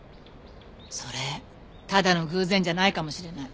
それただの偶然じゃないかもしれない。